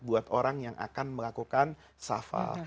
buat orang yang akan melakukan safa